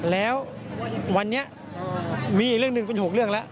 แล้ววันนี้มีอีกเรื่องหนึ่งเป็น๖เรื่องแล้ว